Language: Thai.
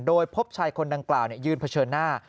โดยพบชายคนดังกล่าวยืนเผชิญหน้า